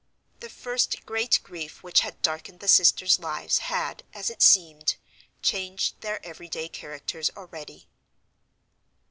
The first great grief which had darkened the sisters' lives had, as it seemed, changed their everyday characters already.